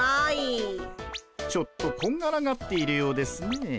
ちょっとこんがらがっているようですね。